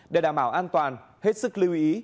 để đảm bảo an toàn hết sức lưu ý